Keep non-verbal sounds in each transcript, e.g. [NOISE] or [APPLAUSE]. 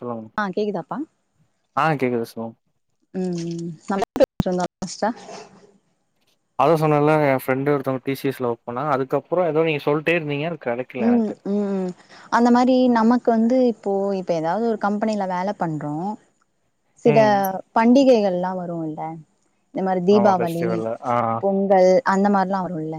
சொல்லுங் ஆ கேட்குதாப்பா ஆ கேட்கது சொல் ம் நம்ம என்ன பேசிட்டு இருந்தோ லாஸ்ட்டா அதா சொன்னேல்ல ஏ ஃப்ரெண்டு ஒருத்தவ டி சி எஸ் ல ஒர்க் போன அதுக்கப்றோ ஏதோ நீங்க சொல்லிட்டே இருந்தீங்கன்ன எனக்கு கெடைக்கல ம் எனக்கு ம் அந்த மாரி நமக்கு வந்து இப்போ இப்போ எதாவது ஒரு கம்பெனியில வேல பண்றோ சில ம் பண்டிகைகள் எல்லா வருல்ல இந்த மாரி ஆமா தீபாவளி ஃபெஸ்டிவல்ல ஆ பொங் கல் அந்த மாரில்லா வருல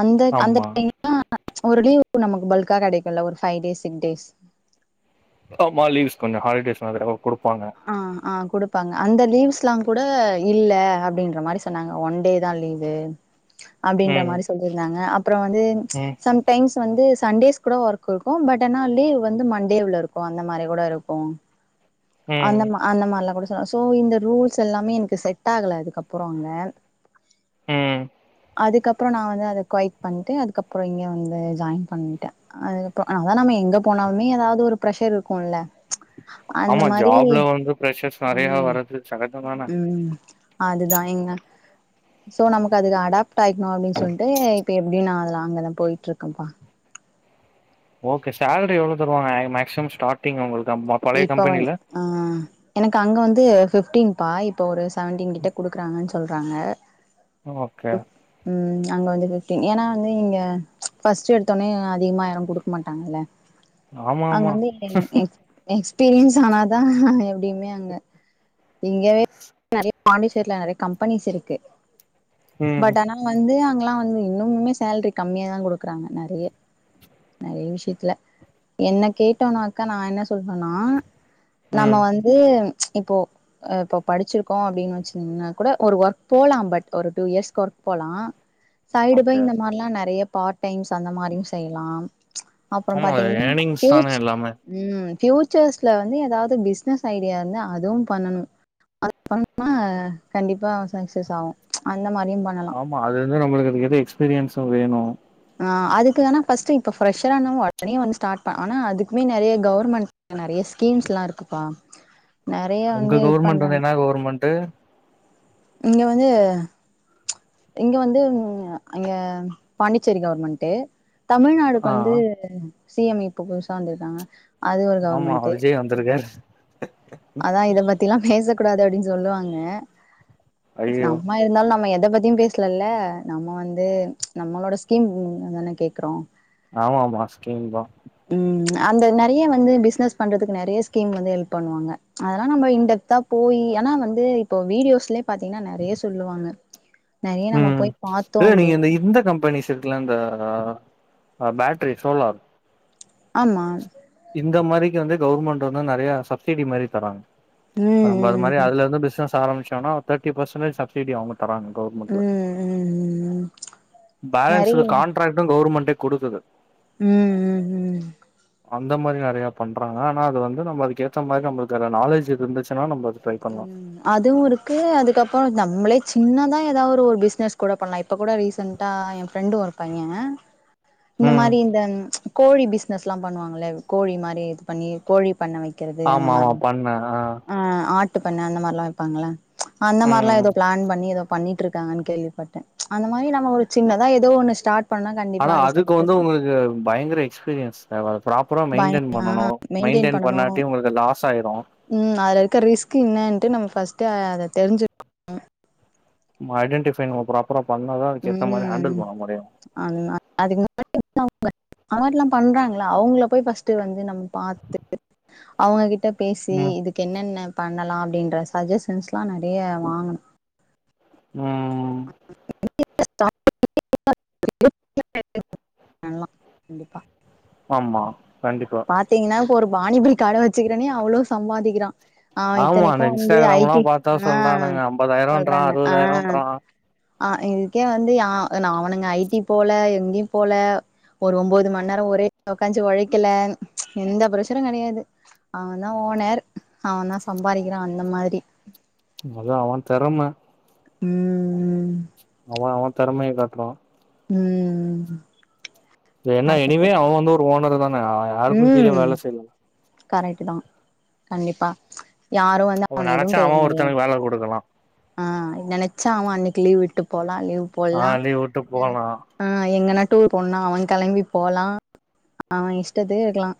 அந்த அந்த ஆமா ஒரு லீவ் நமக்கு பல்கா கெடைக்குல்ல ஒரு ஃபைவ் டேஸ் சிக் டேஸ் ஆமா லீவ்ஸ் கொஞ்சோ ஹாலிடேஸ் மாரி குடுப்பாங்க ஆ ஆ கேடுப்பாங்க அந்த லீவ்ஸ்லா கூட இல்ல அப்டின்ற மாரி சொன்னாங்க ஒன் டே தா லீவு [INAUDIBLE] அப்டின்ற மாரி சொல்லியிருந்தாங்க அப்றோ வந்து ம் சம் டைம்ஸ் வந்து சண்டேஸ் கூட ஒர்க் இருக்கு பட் ஆனா லீவ் வந்து மண்டேல்ல கூட இருக்கு அந்த மாரி கூட இருக்கு அந்த ம் அந்த மாரிலா கூட சொல்லலா சோ இந்த ரூல்ஸ் எல்லாமே எனக்கு செட் ஆகல அதுக்கப்றோ அங்க ம் அதுக்கப்றோ நா வந்து அத குவைக் பண்ணிட்டு அதுக்கப்றோ இங்கே வந்து ஜாயின் பண்ணிட்டே அதுக்கப்றோ அதா நம்ம எங்க போனாலுமே எதாவது ஒரு ப்ரஷர் இருக்கும்ல்ல ஆமா ஜாப்ல வந்து ப்ரஷர்ஸ் நெறைய ம் வரது சகஜ தான ம் அதுதா எங்க சோ நமக்கு அதுக்கு அடாப்ட் ஆகிக்கணு அப்டின்னு சொல்லிட்டு எப்டி நா அதல அங்கதா போயிட்டு இருக்கேன்ப்பா ஓகே சேலரி எவ்ளோ தருவாங்க மேக்சிமம் ஸார்டிங் உங்களுக்கு மொத் இப்ப வ ஆ எனக்கு அங்க வந்து பிப்டீன் பா இப்ப ஒரு செவன்டீன் கிட்ட குடுக்குறாங்கன்னு சொல்றாங்க ஓகே ம் அங்க வந்து பிப்டின் ஏன்னா வந்து இங்க பர்ஸ்ட்ட் எடுத்தோடனே அதிகமா யாரும் குடுக்க மாட்டாங்கல்ல ஆமா அங்க ஆமா வந்து ஏ எக்ஸ்பீரியன்ஸ் ஆனாதா எப்டியுமே அங்க இங்கவே நெறைய பாண்டிச்சேரி நெறைய கம்பெனிஸ் இருக்கு ம் பட் ஆனா வந்து அங்கெல்லா வந்து இன்னுமுமே சேல்ரி கம்மிய தா குடுக்குறாங்க நெறைய நெறைய விஷயத்துல என்ன கேட்டோனாக்கா நா என்ன சொல்றனா ம் நம்ம வந்து இப்போ இப்போ படிச்சிருக்கோ அப்டின்னு வெச்சீங்கன்னா கூட ஒரு ஒர்க் போலா பட் ஒரு டூ இயர்ஸ்க ஒர்க் போலா [INAUDIBLE] சைடு ஃபை இந்த மாரிலா நெறைய பார்ட் டைம்ஸ் அந்த மாரியு செய்யலா அப்பறோ ஆமா பாத்தீங்கன்னா ஏர்னிங்ஸ் தான பேச் எல்லாமே ம் ஃப்யூச்சர்ஸ்ல வந்து ஏதாவது பிஸ்னஸ் ஐடியா இருந்த அதுவு பண்ணணு [INAUDIBLE] பண்ணனா கண்டிப்பா சக்சஸ் ஆகு அந்த மாரியு பண்ணலா ஆமா அதது நம்பளுக்குகேத்த எக்ஸ்பீரியன்ஸூ வேணு ஆ அதுக்கு வேணா ஃபஸ்ட் இப்ப ஃப்ரெஷரானா உடனே ஓன் ஸடார்ட் பண் ஆனா அதுக்குமே நறைய கவர்மெண்ட் நறைய ஸ்கீம்ஸ்லா இருக்குப்பா நறைய வந்து ஹெல்ப் பண்றன் கவுர்மெண்ட்டு இங்க வந்து இங்க வந்து அங்கே பாண்டிச்சேரி கவுர்மெண்ட்டு தமிழ்நாடுக்கு ஆ வந்து சி எம் இப்போ புதுசா வந்துருக்காங்க அது ஒரு ஆமா கவுர்மெண்ட்டு விஜய் ம் வந்திருக்காரு அதா இதப்பத்திலா பேசக்கூடாது அப்டின்னு சொல்லுவாங்க ஐயோ நம்ம என்னவா இருந்தாலு நம்ப எத பத்தியு பேஸ்லல்ல நம்ப வந்து நம்ளோட ஸ்கீம் அதான கேக்றோ ஆமாமா ஸ்கீம் தா ம் அந்த நறைய வந்து பிசினஸ் பண்றதுக்கு நறைய ஸ்கீம் வந்து ஹெல்ப் பண்ணுவாங்க அதெல்லா நம்ப இண்டப்தா போயி ஆனா வந்து இப்போ வீடியோஸ்லே பாத்தீங்கனா நறைய சொல்லுவாங்க நெறைய நம்ம ம் போய் பாத்தோ இல்ல நீங்க இந்த அப்டின்னா இந்த கம்பனிஸ் இதுக்குலா இந்த அ பேட்ரி சோலார் ஆமாம் இந்த மாரிக்கி வந்து கவுர்மெண்ட்டு வந்து நறையா சப்சிடி மாரி தராங்க ம் நம்ப அதுமாரி ம் அதுலருந்து பிஸ்னஸ் ஆரம்பிச்சோனா தேர்டிபசன்டேஜ் சப்சிடி அவுங்க தறாங்க ம் கவர்மெண்ட்ல ம் ம் நெறைய பேலன்ஸ்ல காண் ட்ராக்ட்டு கவர்மெண்டே குடுக்குது ம் ம் ஹும் அந்த மாரியு நறையா பண்றாங்க ஆனா அது வந்து நம்ம அதுக்கேத்த மாரி நம்பளுக்கு அத நாலேஜ் இருந்துச்சுனா நம்பது ம் அதுவு இருக் க்கு அதுக்கப்றோ நம்மளே சின்னதா ஏதா ஒரு பிஸ்னஸ் கூட பண்லா இப்போ கூட ரீசண்டா ஏ ஃப்ரெண்டோ பைய இந்த ம் மாரி இந்த ம் கோழி பிஸ்னஸ்லா பண்ணுவாங்கள கோழி மாரி இது பண்ணி கோழி பண்ண வைக்கிறது அந்த மாரி அண்ணா ஆ ஆட்டு பண்ண அந்த மாரிலா வெப்பாங்கள அந்த மார்லா ம் ஏதோ பிளான் பண்ணி ஏதோ பண்ணிட்ருக்காங்கனு கேள்விப்பட்ட அந்த மாரி நம்ம ஒரு சின்னதா ஏதோ ஒன்னு ஸ்டார்ட் பண்ணா கண்டிப்பா ஆனா அது அதுக்கு சக்சஸ் வந்து ஆகு உங்குளுக்கு பயங்கர எக்ஸ்பீரிய தேவ ப்ராப்பரா மெயின்டென் பய ஆ பண்ணணு மெயின்டெயின் மெயின்டென் பண்ணனு பண்ணாட்டி உங்குளுக்கு லாஸாயிரு ம் அதுல இருக்கற ரிஸ்க் என்னான்ட்டு நம்ப ஃபர்ஸ்ட் அத தெரிஞ்சு ம் ஐடெண்டிஃபை நம்ப ப்ராப்பரா பண்ணா தா நம்ப அதுக்கேத்தா மாரி ஹேண்டில் பண்ண முடியு அண்ணா அதுக் [INAUDIBLE] [INAUDIBLE] ஆடுலா பண்றாங்கள அவுங்கள போய் ஃபர்ஸ்ட் வந்து நம்ப பாத்துட்டு அவுங்ககிட்ட பேசி ம் இதுக் கு என்னென்ன பண்ணலா அப்டின்ற சஜஷன்ஸ்லா நறைய வாங்கணு ம் [INAUDIBLE] பண்லா கண்டிப்பா ஆமா கண்டிப்பா பாத்தீங்கனா இப்போ ஒரு பானிபூரி கட வச்சிருக்கறனே அவ்ளோ சம்பாதிக்கிறா அ ஆமா இத்தனைக்கு அந்த வந்து ஐ இன்ஸ்டாகிராம்லா டி பாத்தா ஆ சொல்றானுங்க ஐம்பதாயிரன்றா சொல்றாங்க ஆ அறுவதாயிரன்றா ஆ இதுக்கே வந்து யா நா அவனுங்க ஐ டி போல எங்கயு போல ஒரு ஒம்போது மண்ணேரோ ஒரே உக்காஞ்சு ஒழைக்கல எந்த பிரச்சன கெடையாது அவந்தா ஓனர் அவந்தா சம்பாரிகறா அந்த மாதுரி அது அவ தெரம்ம ம் அவ அவ திறமைய காட்டுறா ம் இப்ப என்ன கரெக்ட் எனிவே அவ வந்து ஒரு ஓனர்ரு தான யாரு ம் கரெக்ட் தா கண்டிப்பா யாரோ வ ந்து அவ அவன எதுவு நெனச்சா கேட்க அவ முடியாது [UNINTELLIGIBLE] குடுக்கலா ஆ நெனச்சா அவ அன்னிக்கு லீவ் விட்டு போலா லீவ் ஆ போடலா லீவ் விட்டு போலா [INAUDIBLE] ஆ எங்கன்னா டூர் போணுனா அவ கெளம்பி போலா அவ இஷ்டத்துக்கு இருக்கலா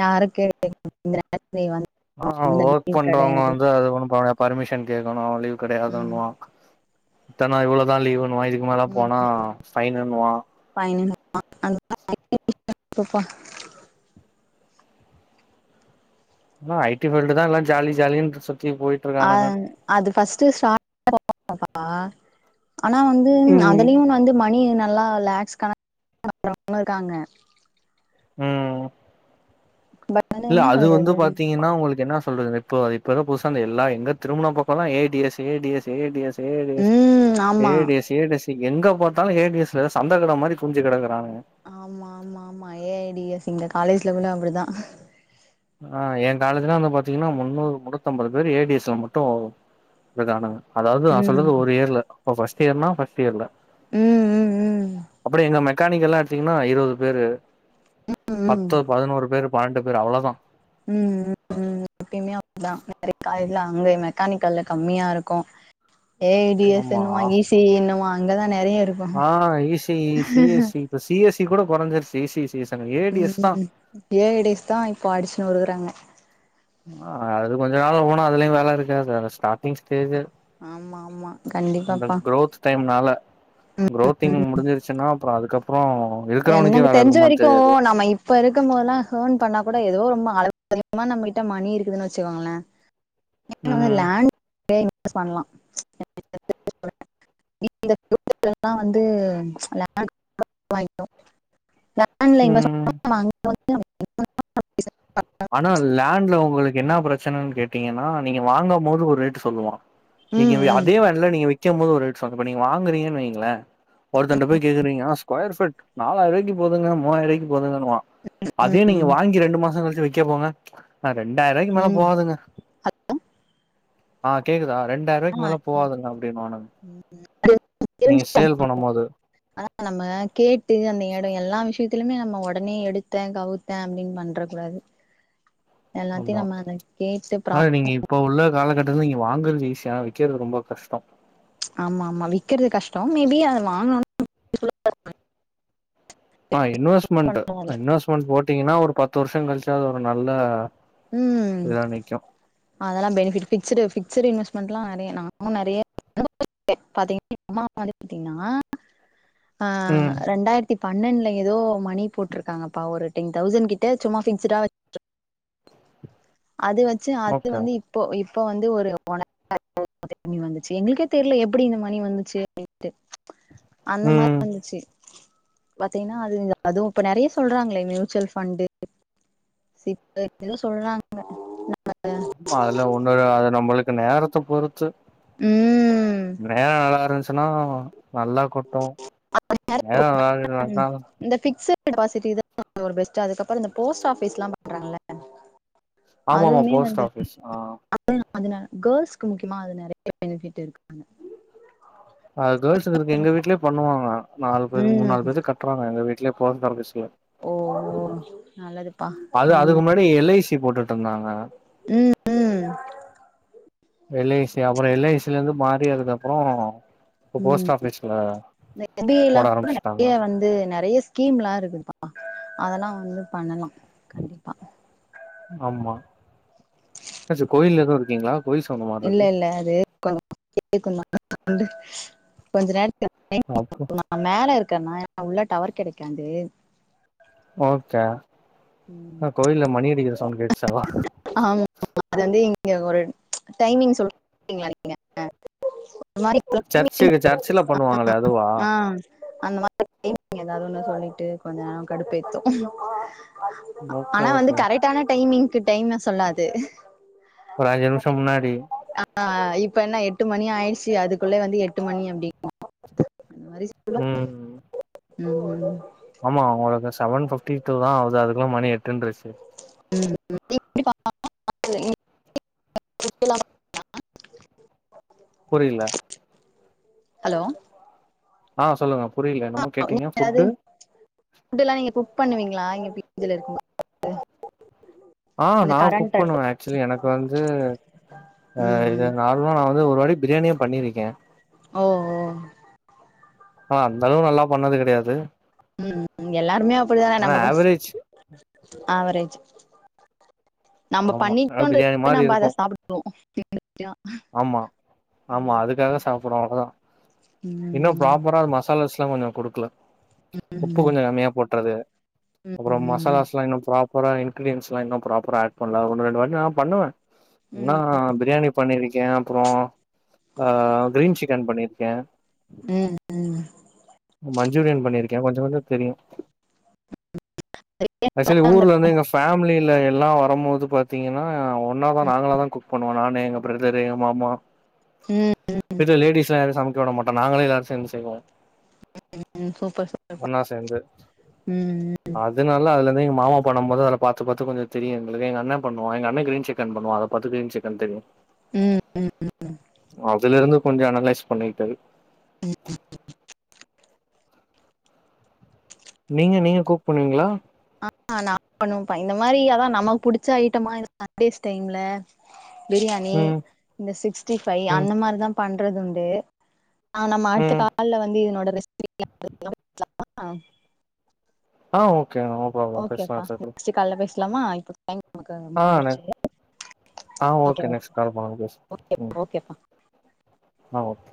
யாருக்கு [INAUDIBLE] ஆ ஒர்க் பண்றவங்க கெடையாது வந்து அது ஒண்ணு [UNINTELLIGIBLE] பர்மிஷன் கேக்கணு லீவ் ம் கெடையாதுன்னுவா இத்தன்னா இவ்வளவுதா லீவுன்னுவா இதுக்கு [UNINTELLIGIBLE] ம் போனா ஃபைன்னுவா [INAUDIBLE] எல்லா ஐ டி ஃபீல்ட் தா எல்லா ஜாலி ஜாலின்ட்டு சுத்தி போயி அ அது ஃபர்ஸ்ட் [INAUDIBLE] அனா வந்து ம் அதுலயு வந்து மணி நல்லா லேக்ஸ் [INAUDIBLE] இருக்காங்க ம் பட் வந்து இல்ல என்ன அது வந்து சொல்றது பாத்தீங்கன்னா உங்களுக்கு என்னா சொல்றது இப்போ இப்ப எதோ புதுசா அந்த எல்லா எங்க திரும்பன பக்கோலா A D S A D S A D S A D S ம் ஏ ஆமா D S A D S எங்க பாத்தாலு ஏ டி எஸ்ல சந்தகட மாரி குமிஞ்சி கெடக்குறானுங்க ஆமா ஆமா ஆமா ஏ ஐ டி எஸ் எங்க காலேஜ்லகுள்ள அப்படிதா ஆ எ காலேஜ்லா வந்து பாத்திங்கன்னா முன்னூறு முன்னூத்தம்பது பேரு ஏ டி எஸ்ல மட்டு [UNINTELLIGIBLE] அதாவது நா ம் சொல்றது ஒரு இயர்ல அப்ப ஃபஸ்ட் இயர்னா ஃபஸ்ட் இயர்ல ம் ம் ம் அப்படி எங்க மெக்கானிக்க எல்லா எடுத்திங்கன்னா இருவது பேரு ம் பத்து பதுனோரு பேரு பன்னெண்டு பேரு அவ்வளதா ம் ம் [INAUDIBLE] எப்பயுமே அப்படித்தா [INAUDIBLE] அங்கே மெக்கானிக்கல்ல கம்மியா இருக்கு ஏ ஐ டி எஸ் ஆமா என்னவா ஈ சி ஈ என்னுவா அங்கதா நெறைய இருக்கு ஆ E C E C S C C S C கூட கொறஞ்சிருச்சி ஈ சி சி எஸ் னு ஏ டி ம் எஸ் தா ம் [UNINTELLIGIBLE] தா இப்ப அடிச்சு நொறுக்குறாங்க அது கொஞ்ச நாள் போனா அதுலயு வேல இருக்காது அது ஸ்டார்டிங் ஸ்டேஜு ஆமா ஆமா கண்டிப்பாப்பா டைம்னால க்ரோத்திங் முடிஞ்சிருச்சுன்னா அப்பறோ அதுக்கப்பறோ என்னக்கு தெரிஞ்ச வரைக்கு நம்ம இப் இப்ப இருக்கும்போதுல ஹேர்ன் பண்ணா கூட எதோ ரொம்ப அளவுக்கு அதிகமா நம்ம கிட்ட மணி இருக்குதுன்னு வெச்சுக்கோங்களே ம் [INAUDIBLE] இன்வெஸ்ட் பண்ணலா [INAUDIBLE] [INAUDIBLE] வந்து [INAUDIBLE] ம் [INAUDIBLE] அனா லேண்ட்ல உங்களுக்கு என்னா பிரச்சனன்னு கேட்டீங்கன்னா நீங்க வாங்கம்போது ஒரு ரேட்டு சொல்லுவா ம் நீங்க ம் அதே விலையில நீங்க விக்கும் போது ஒரு ரேட் சொல்லங்க இப்ப நீங்க வாங்குறீங்கன்னு வைங்களே ஒருத்தன்ட்ட போய் கேக்குறீங்க ஸ்கொயர் ஃபிட் நாலாயிர ரூபாய்க்கு போதுங்க மூவாயிரம் ரூபாய்க்கு போதுங்கன்னுவா அதே ம் நீங்க வாங்கி ரெண்டு மாசம் கழிச்சு விக்க போங்க ஆ ரெண்டாயிரம் ரூபாய்க்கு மேல ம் போகாதுங்க ஆ கேக்குதா ரெண்டாயிரம் ரூபாய்க்கு ஆமா மேல போகாதுங்க அப்டின்வானுங்க அது தெரிஞ்சிக்கனு அப்போ போது ஆனா நம்ம கேட்டு அந்த இடம் எல்லா விஷயத்திலுமே நம்ம உடனே எடுத்த கவு த்த அப்படின்னு பண்ற கூடாது எல்லாத்தையு ஆமா நம்ம அத கேட்டு ப்ரா ஆனா நீங்க இப்ப உள்ள காலக்கட்டத்துல நீங்க வாங்குறது ஈஸி ஆனா விக்கிறது ரொம்ப கஷ்டம் ஆமா ஆமா விக்கறது கஷ்டம் மேபி அத வாங்கணும்னா ஆ இன்வெஸ்ட்மெண்ட் பரவால்ல இன்வெஸ்ட்மென்ட் போட்டீங்கன்னா ஒரு பத்து வருஷம் கழிச்சா அது ஒரு நல்ல ம் ஏதோ நிக்கும் அதெல்லா பெனிஃபிட் ஃபிக்சஸ்ட் ஃபிக்சடு இன்வெஸ்ட்மெண்ட்லா நிறைய நானு நிறைய அனுபவிச்சிருக்கோ இப்ப பாத்தீங்கன்னா அம்மா வந்து பாத்தீங்கன்னா ஆ ம் ரெண்டாயிர த்தி பன்னெண்டுல ஏதோ மணி போட்ருக்காங்கப்பா ஒரு டென் தௌசண்ட் கிட்ட சும்மா பிக்சடா அது வச்சு அது ஓகே வந்து இப்போ இப்ப வந்து ஒரு வந்துச்சு எங்களுக்கே தெரியல எப்படி இந்த மணி வந்துச்சு அந்த மாதிரி ம் வந்துச்சு பாத்தீங்கன்னா அது அதுவும் இப்ப நிறைய சொல்றாங்களே மியூச்சுவல் ஃபண்ட் சிப்ப எதோ சொல்றாங்க ஆ அதுலா ஒன்னுல்ல அது நம்மளுக்கு நேரத்த பொறுத்து ம் நேரம் நல்லா இருந்துச்சு னா நல்லா கொட்டும் நேரம் நல்லா இந்த பிக்ஸட் டெபாசிட் இதுதா ஒரு பெஸ்ட் அதுக்கப்புறோ இந்த போஸ்ட் ஆபீஸ்ல்லா பண்றாங்கள ஆமாமா அதுமே போஸ்ட் வந்து ஆஃபிஸ் ஆ அது அதுல கேர்ள்ஸ்க்கு முக்கியமா அது நிறைய பெனிஃபிட் இருக்காங்க அ கேர்ள்ஸ்ஸுக்கு இருக்கு எங்க வீட்லயே பண்ணுவாங்க நாலு பேர் மூணுாலு ம் பேத்துக்கு கட்டுறாங்க எங்க வீட்ல போஸ்ட் ஆபீஸ்ல ஓ ஓ நல்லதுப்பா பண்ணுங்க ப்ப எல் ஐ சி போட்டுட்டு இருந்தாங்க ம் ம் எல் ஐ சி அப்புறோ எல் ஐ சி ல இருந்து மாறி அதுக்கு அப்புறோ ம் இந்த எஃப் பி ஐல்லா போட கூட ஆரம்பிச்சுட்டாங்க நிறைய வந்து நிறைய ஸ்கீம்லா இருக்குதுப்பா அதெல்லா வந்து பண்ணலா கண்டிப்பாக ஆமா என்னாச்சு கோயில எதுவும் இருக்கீங்களா கோயில் சவுண்டு மாரி இல்ல இருக்கு இல்ல அது [INAUDIBLE] கொஞ்ச நேரம் ஓ அப்புறோ மேல இருக்கன்னா உள்ள டவர் கிடைக்காது ஓகே உம் ஆ கோயில்ல மணி அடிக்கிற சவுண்ட் கேட்டுச்சு அதா ஆமா அது வந்து இங்க ஒரு டைமிங் சொல்லுவீங்கள நீங்க அந்த மாரி [INAUDIBLE] சர்ச்சு சர்ச்சுல பண்ணுவாங்களே அதுவா ஆ அந்த மாதிரி மிங் ஏதாவதுன்னு சொல்லிட்டு கொஞ்ச நேரம் கடுப்பேத்தும் ஓகே ஆனா வந்து ஓகே கரெக்டான டைமிங்க்கு டைம்லா சொல்லாது ஒரு அஞ்சு நிமிஷம் முன்னாடி ஆ இப்ப என்ன எட்டு மணி ஆயிடுச்சு அதுக்குள்ள வந்து எட்டு மணி அப்படின்னு அந்த மாரி ம் ம் ஆமா அவுங்களுக்கு சவன் பிப்டி டூ தா ஆவுது அதுக்குள்ள மணி எட்டுன்ருச்சு [INAUDIBLE] புரியில ஹலோ ஆ சொல்லுங்க புரியில என்னமோ கேட்டீங்க ஃபுட்டு ஃபுட்டுல்லா நீங்க குக் பண்ணுவீங்ளா நீங்க பீ ஜி ல இருக்கும்போது ஆ நா குக் பண்ணுவே ஆக்சுலி எனக்கு வந்து அ ம் இத ம் நார்மலா நா வந்து ஒருவாட்டி பிரியாணியே பண்ணிருக்கே ஓஓ ஆ அந்த அளவுக்கு நல்லா பண்ணது கெடையாது ம் எல்லாருமே அப்படிதானே ஆனா நம்ம ஃபஸ்ட் ஆவரேஜ் ஆவரேஜு [INAUDIBLE] நம்ப ஆமா ஆ பண்ணிட்டோன்றது பிரியாணி போய் மாரி நம் அத இருக்கு சாப்டுவோ [INAUDIBLE] ஆமா ஆமா அதுக்காகதா சாப்புறோ அவ்ளோதா ம் இன்னும் ம் ப்ராப்பரா மசாலாஸ்ல்லா கொஞ்ச குடு க்லா உப்பு ம் ம் கொஞ்சொ கம்மியா போட்றது அப்பறோ மசாலாஸ்லா இன்னு ப்ராப் பரா இன்கீரிடியன்ஸ்லா இன்னு ப்ராப்பரா ஆட் பண்லா ஒண்ணு ரெண்டு வாட்டி நா பண்ணுவ ம் ன்னா ம் பிரியாணி பண்ணிருக்கே அப்புறோ ஆ கிரீன் சிக்கன் பண்ணிருக்கே ம் ம் மஞ்சூரியன் பண்ணிருக்கே கொஞ்சொ கொஞ்சொ தெரியு ஆக்சுலி ஊர்ல இருந்து எங்க ஃபேமிலியில எல்லா வரம்போது பாத் பாத்தீங்கன்னா ஒன்னாதா நாங்கள தா குக் பண்ணுவோ நானு எங்க பிரதர் எங்க மாமா ம் ம் வீட்ல லேடீஸ்லா யாரையு சமைக்க விட மாட்டோ நாங்களே எல்லாரு சேந்து செய்வோ சூப்பர் சூப்பர்ப்பா ஒன்னா சேந்து ம் அதனால அதுலந்து எங்க மாமா பண்ணம் போது அதல பாத்து பாத்து கொஞ்சொ தெரியு எங்களுக்கு எங்க அண்ணே பண்ணுவா எங்கண்ணே கிரீன் சிக்கன் பண்ணுவா அத பாத்து கிரீன் சிக்கன் தெரியு ம் அதுலருந்து கொஞ்சொ அனலைஸ் பண்ணிகிட்டது நீங்க நீங்க குக் பண்ணுவீங்களா ஆ நா பண்ணுவப்பா இந்த மாரி அதா நமக்கு புடிச்ச ஐட்டமா இருந்தா சண்டேஸ் டைம்ல பிரியாணி ம் இந்த சிக்ஸ்டி ஃபை ம் அந்த மார்தா பண்றதுண்டு ஆ நம்ம அடுத்த ம் கால்ல வந்து இதனோட ரெசி [INAUDIBLE] ஆ ஓகேங்க ஓக் ஓகேப்பா நெக்ஸ்ட்டு கால்ல பேஸ்லாமா இப்போ டைம் நமக்கு ஆ நெ முஞ்சடுச்சு இல்ல ஆ ஓகே நெக்ஸ்டு கால் பண்ணுங்க பேசு ஓகேப்பா ஓகேப்பா ஆ ஓகே